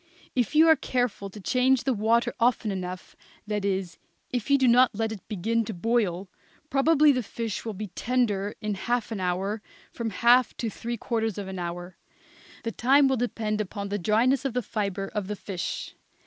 If you are careful to change the water often enough, that is, if you do not let it begin to boil, probably the fish will be tender in half an hour from half to three quarters of an hour. The time will depend upon the dryness of the fibre of the fish.